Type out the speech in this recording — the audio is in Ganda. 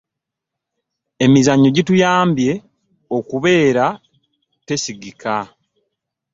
emizanyo gituyambye okubeera tesigika